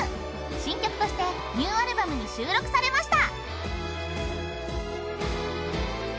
新曲としてニューアルバムに収録されました。